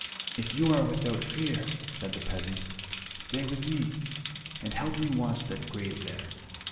"If you are without fear," said the peasant, "stay with me, and help me to watch that grave there."